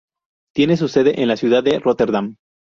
Tiene su sede en la ciudad de Róterdam.